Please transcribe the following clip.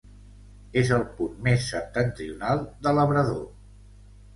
És el punt més septentrional de Labrador.